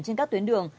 trên các tuyến đường